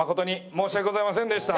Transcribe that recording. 申し訳ございませんでした。